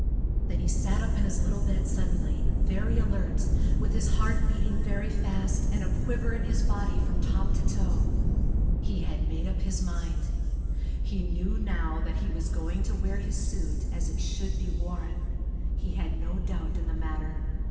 Then he sat up in his little bed suddenly, very alert, with his heart beating very fast and a quiver in his body from top to toe. He had made up his mind. He knew now that he was going to wear his suit as it should be worn. He had no doubt in the matter.